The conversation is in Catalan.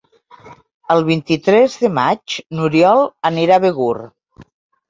El vint-i-tres de maig n'Oriol anirà a Begur.